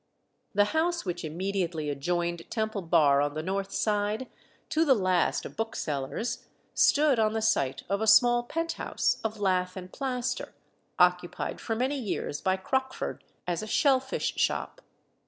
The house which immediately adjoined Temple Bar on the north side, to the last a bookseller's, stood on the site of a small pent house of lath and plaster, occupied for many years by Crockford as a shell fish shop.